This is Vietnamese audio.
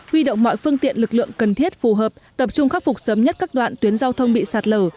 huy động mọi phương tiện lực lượng cần thiết phù hợp tập trung khắc phục sớm nhất các đoạn tuyến giao thông bị sạt lở